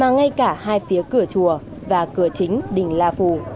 ngay cả hai phía cửa chùa và cửa chính đỉnh la phủ